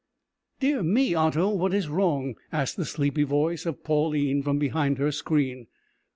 "Dear me, Otto, what is wrong?" asked the sleepy voice of Pauline from behind her screen.